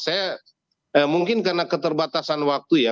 saya mungkin karena keterbatasan waktu ya